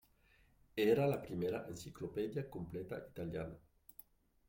Era la primera enciclopèdia completa italiana.